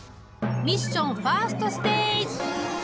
ミッションファーストステージ。